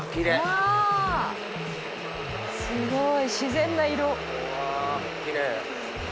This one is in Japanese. おすごい！